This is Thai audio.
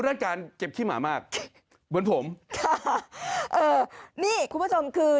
ด้านการเจ็บขี้หมามากเหมือนผมค่ะเออนี่คุณผู้ชมคือ